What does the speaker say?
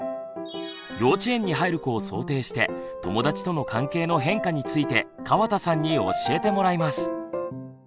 幼稚園に入る子を想定して友だちとの関係の変化について川田さんに教えてもらいます。